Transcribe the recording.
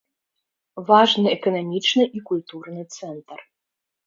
Важны эканамічны і культурны цэнтр.